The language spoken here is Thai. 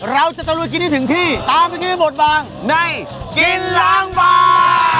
เราจะตลกินให้ถึงที่ตามที่ที่หมดบางในกินล้างบาง